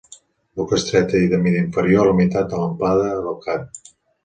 Boca estreta i de mida inferior a la meitat de l'amplada del cap.